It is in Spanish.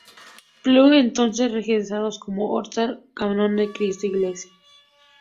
Pyle Entonces regresado a Oxford, como canon de Cristo Iglesia.